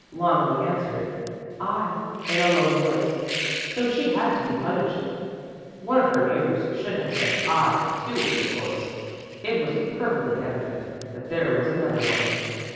Loneli answered 'I' in a low voice, so she had to be punished. One of her neighbors should have said 'I,' too, of course; it was perfectly evident that there was another one."